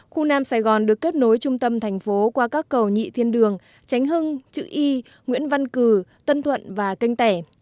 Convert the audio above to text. khu nam sài gòn được kết nối trung tâm thành phố qua các cầu nhị thiên đường tránh hưng chữ y nguyễn văn cử tân thuận và canh tẻ